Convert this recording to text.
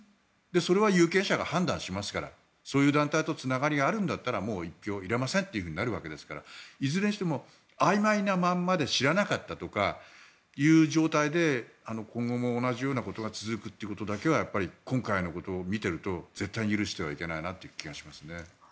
それは有権者が判断しますからそういう団体とつながりがあるんだったらもう１票を入れませんってなるわけですからいずれにしてもあいまいなままで知らなかったとかいう状態で今後も同じようなことが続くことだけは今回のことを見ていると絶対に許してはいけないなという気がしますね。